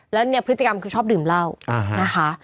แล้วเนี่ยพฤติกรรมคือชอบดื่มเหล้านะคะ